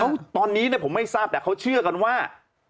เขาตอนนี้ผมไม่ทราบแต่เขาเชื่อกันว่า